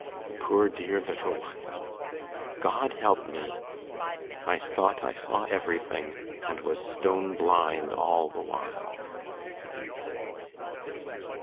Poor dear little one! God help me! I thought I saw everything, and was stone blind all the while.